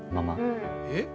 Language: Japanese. えっ？